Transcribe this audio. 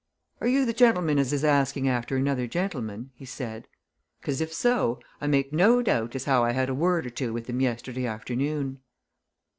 "Are you the gentlemen as is asking after another gentleman?" he said. "'Cause if so, I make no doubt as how I had a word or two with him yesterday afternoon."